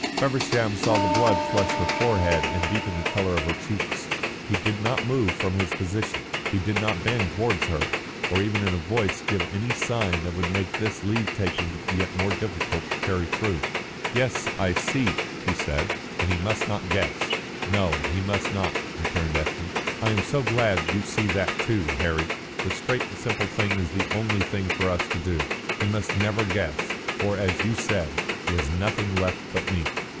Feversham saw the blood flush her forehead and deepen the colour of her cheeks. He did not move from his position, he did not bend towards her, or even in voice give any sign which would make this leave taking yet more difficult to carry through. "Yes, I see," he said. "And he must not guess." "No, he must not," returned Ethne. "I am so glad you see that too, Harry. The straight and simple thing is the only thing for us to do. He must never guess, for, as you said, he has nothing left but me."